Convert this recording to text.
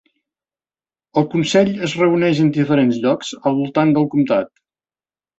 El consell es reuneix en diferents llocs al voltant del comtat.